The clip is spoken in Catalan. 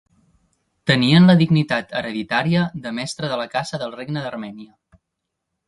Tenien la dignitat hereditària de Mestre de la Caça del regne d'Armènia.